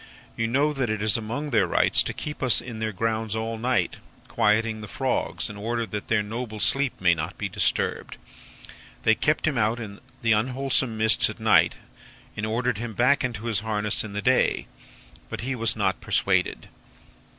You know that it is among their Rights to keep us in their grounds all night, quieting the frogs, in order that their noble sleep may not be disturbed. They kept him out in the unwholesome mists at night, and ordered him back into his harness in the day. But he was not persuaded.